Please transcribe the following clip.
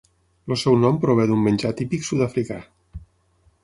El seu nom prové d'un menjar típic sud-africà.